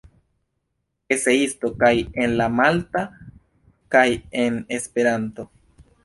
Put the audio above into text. Eseisto kaj en la malta kaj en Esperanto.